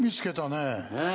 ねえ。